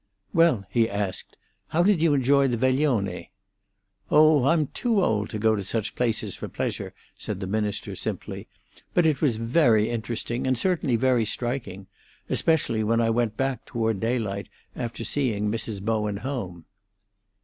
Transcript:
"Well," he asked, "how did you enjoy the veglione?" "Oh, I'm too old to go to such places for pleasure," said the minister simply. "But it was very interesting, and certainly very striking: especially when I went back, toward daylight, after seeing Mrs. Bowen home."